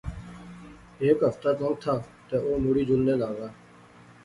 ہیک ہفتہ لنگتھا تہ او مڑی جلنے لاغا